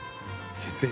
血液。